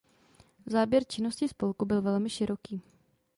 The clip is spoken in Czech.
Záběr činnosti spolku byl velmi široký.